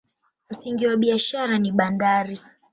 Msingi wa biashara ni bandari.